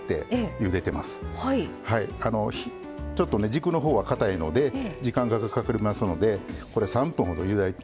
ちょっと軸のほうはかたいので時間がかかりますのでこれ３分ほど湯がいてます。